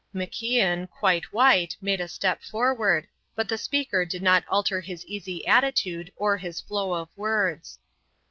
MacIan, quite white, made a step forward, but the speaker did not alter his easy attitude or his flow of words.